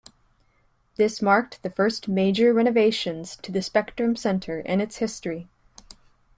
This marked the first major renovations to the Spectrum Center in its history.